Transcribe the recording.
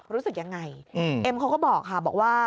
รู้สึกยังไงเอ็มเขาก็บอกค่ะบอกว่า